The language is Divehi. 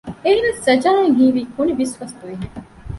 އެހެނަސް ސަޖާއަށް ހީވީ ކުނިބިސްވަސް ދުވިހެން